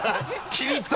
気に入った！